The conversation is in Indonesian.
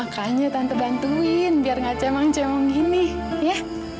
tanya tante bantuin biar tidak cemang cemang ini ya